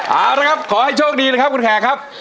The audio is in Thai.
เอาละครับขอให้โชคดีนะครับคุณแขกครับ